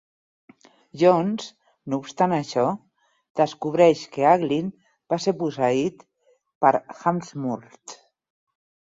Jones, no obstant això, descobreix que Agglin va ser posseït per Hawksmoor.